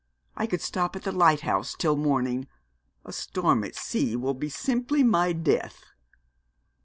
I could stop at the lighthouse till morning. A storm at sea will be simply my death.'